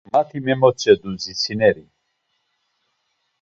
Mati memotzedu zitsineri.